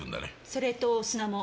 それと砂も。